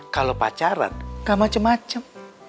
kalau pacaran gak macem macem